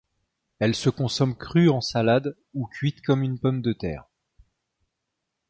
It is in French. Elle se consomme crue en salade, ou cuite comme une pomme de terre.